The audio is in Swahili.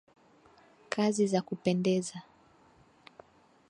Kazi za kupendeza.